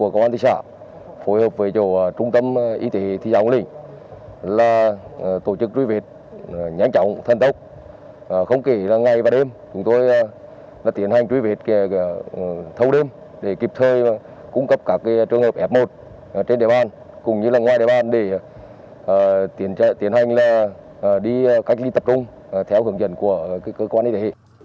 công an thị xã hồng lĩnh khẩn trương phối hợp với các trường hợp f một f hai liên quan đến ca bệnh